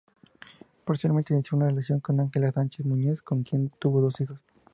Posteriormente inició una relación con Ángela Sánchez Núñez, con quien tuvo dos hijos.